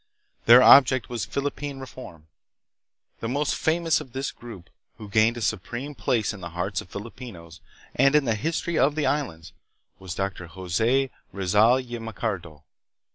Their object was Philippine reform. The most famous of this group, who gained a supreme place in the hearts of Filipinos and in the history of the islands, was Dr. Jose Rizal y Mercado.